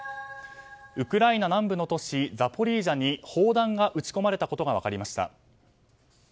ウクライナ南部の都市ザポリージャに砲弾が撃ち込まれたことが分かりました。